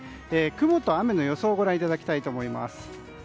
雲と雨の予想をご覧いただきたいと思います。